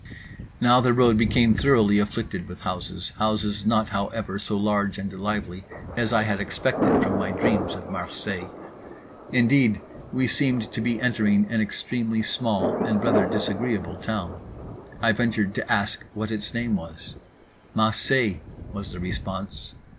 Now the road became thoroughly afflicted with houses, houses not, however, so large and lively as I had expected from my dreams of Marseilles. Indeed we seemed to be entering an extremely small and rather disagreeable town. I ventured to ask what its name was. "Mah say" was the response.